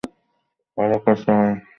আরো কাছে আয় আমার।